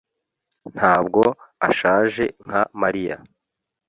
ntabwo ashaje nka mariya